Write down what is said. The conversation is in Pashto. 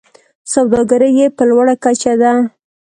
سوداګري یې په لوړه کچه ده.